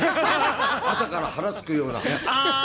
朝から腹がすくような。